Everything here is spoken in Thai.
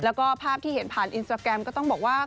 แล้วก็ภาพที่เห็นผ่านอินสตราแกรมก็ต้องบอกว่า